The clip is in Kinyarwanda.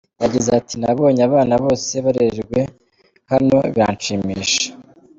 Yagize ati “ Nabonye abana bose barerewe hano biranshimisha.